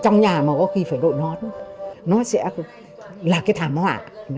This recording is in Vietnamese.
trong nhà mà có khi phải đội nón nó sẽ là cái thảm họa